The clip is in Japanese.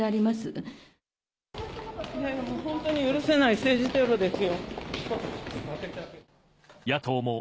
本当に許せない、政治テロですよ。